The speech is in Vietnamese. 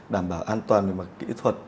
đảm bảo an toàn và kỹ thuật